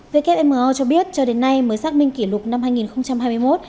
wmo cho biết cho đến nay mới xác minh kỷ lục năm hai nghìn hai mươi một